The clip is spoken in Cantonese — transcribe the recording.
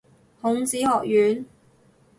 孔子學院